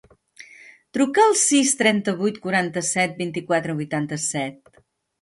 Truca al sis, trenta-vuit, quaranta-set, vint-i-quatre, vuitanta-set.